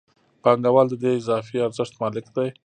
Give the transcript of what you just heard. پانګوال د دې اضافي ارزښت مالک دی